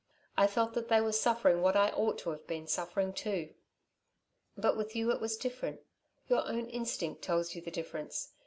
I felt that they were suffering what I ought to have been suffering too.... "But with you it was different. Your own instinct tells you the difference.